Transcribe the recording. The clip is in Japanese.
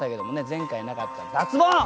前回なかった脱ボン！